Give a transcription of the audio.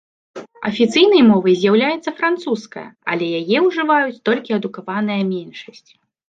Афіцыйнай мовай з'яўляецца французская, але яе ўжываюць толькі адукаваная меншасць.